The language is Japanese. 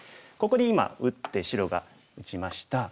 ここに今打って白が打ちました。